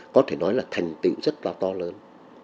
có thể nói là thành tựu rất là to lớn